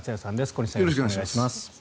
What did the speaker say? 小西さんよろしくお願いします。